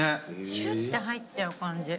シュって入っちゃう感じ。